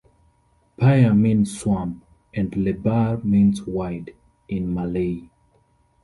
"Paya" means "swamp" and "lebar" means "wide" in Malay.